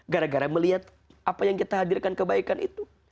gara gara melihat apa yang kita hadirkan kebaikan itu